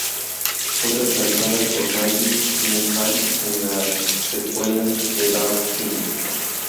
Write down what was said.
Fue reemplazada por Maggie Gyllenhaal en la secuela "The Dark Knight".